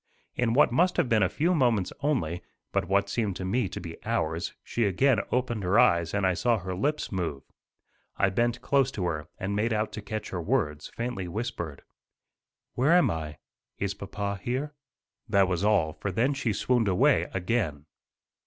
In what must have been a few moments only, but what seemed to me to be hours, she again opened her eyes and I saw her lips move. I bent close to her and made out to catch her words, faintly whispered. "Where am I? Is papa here?" That was all, for then she swooned away again.